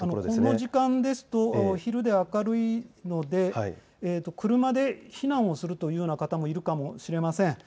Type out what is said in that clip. この時間ですと昼で明るいので車で避難をする方もいるかもしれません。